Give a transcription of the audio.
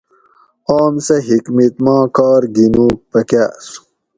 اوم سہ حکمِت ما کار گینوگ پکاۤر